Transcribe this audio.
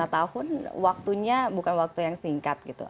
lima tahun waktunya bukan waktu yang singkat gitu